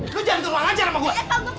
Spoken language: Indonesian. lu jangan kurang ajar sama gue